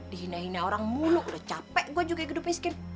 dihina hina orang muluk udah capek gue juga hidup miskin